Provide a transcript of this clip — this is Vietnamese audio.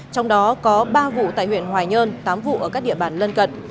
trong đó có ba vụ tại huyện hoài nhơn tám vụ ở các địa bàn lân cận